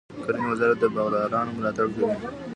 د کرنې وزارت د باغدارانو ملاتړ کوي.